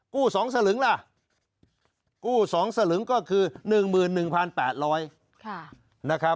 ๒สลึงล่ะกู้๒สลึงก็คือ๑๑๘๐๐นะครับ